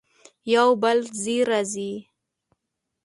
يو بل ځای راځي